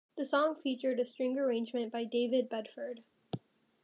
The song featured a string arrangement by David Bedford.